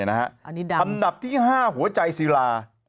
อันดับ๕หัวใจศีลา